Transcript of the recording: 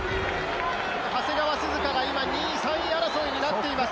長谷川涼香が今、２位、３位争いになっています。